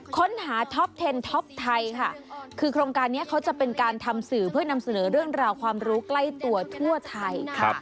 ค้นหาท็อปเทนท็อปไทยค่ะคือโครงการนี้เขาจะเป็นการทำสื่อเพื่อนำเสนอเรื่องราวความรู้ใกล้ตัวทั่วไทย